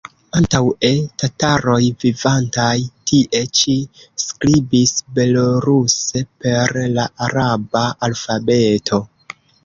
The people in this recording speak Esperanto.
Antaŭe tataroj vivantaj tie ĉi skribis beloruse per la araba alfabeto.